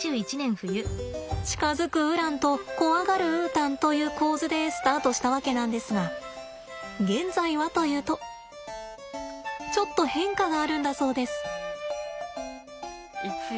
近づくウランと怖がるウータンという構図でスタートしたわけなんですが現在はというとちょっと変化があるんだそうです。